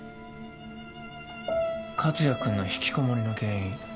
克哉君の引きこもりの原因